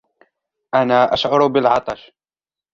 أنا أشعر بالعطش.